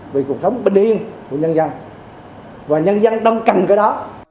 vì cuộc sống bình yên của nhân dân và nhân dân đông cành cái đó